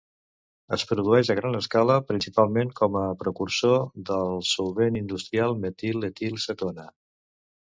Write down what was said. Es produeix a gran escala principalment com a precursor del solvent industrial metil etil cetona.